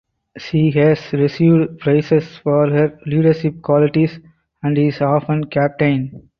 She has received praise for her leadership qualities and is often captain.